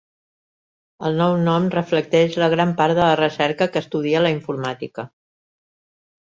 El nou nom reflecteix la gran part de la recerca que estudia la informàtica.